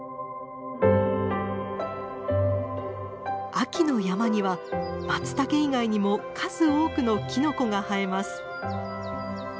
秋の山にはマツタケ以外にも数多くのキノコが生えます。